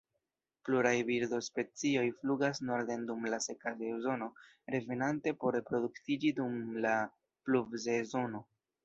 Pluraj birdospecioj flugas norden dum la seka sezono, revenante por reproduktiĝi dum la pluvsezono.